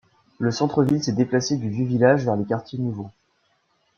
Le centre-ville s'est déplacé du vieux village vers les quartiers nouveaux.